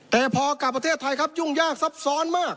แต่พอกลับประเทศไทยครับยุ่งยากซับซ้อนมาก